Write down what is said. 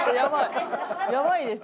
やばいです。